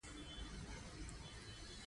لوستل عادت کړه پوهه زیاته کړه